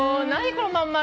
このまん丸。